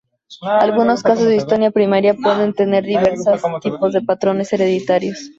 Algunos casos de distonía primaria pueden tener diversos tipos de patrones hereditarios.